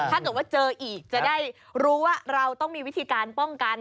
ถ้าเกิดว่าเจออีกจะได้รู้ว่าเราต้องมีวิธีการป้องกัน